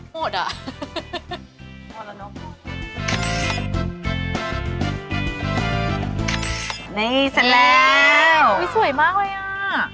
โหดอ่ะโหดแล้วเนอะนี่เสร็จแล้วอุ๊ยสวยมากเลยอ่ะ